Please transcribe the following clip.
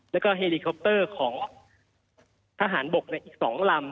แล้วก็เฮลิคอปเตอร์ของทหารบกอีก๒ลำ